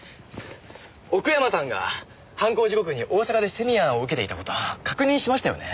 奥山さんが犯行時刻に大阪でセミナーを受けていた事確認しましたよね。